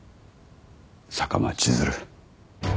坂間千鶴。